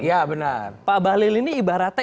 ya benar pak bahlil ini ibaratnya